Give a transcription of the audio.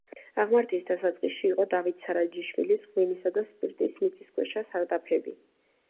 აღმართის დასაწყისში იყო დავით სარაჯიშვილის ღვინისა და სპირტის მიწისქვეშა სარდაფები.